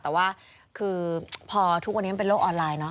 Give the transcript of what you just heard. แต่ว่าคือพอทุกวันนี้มันเป็นโลกออนไลน์เนาะ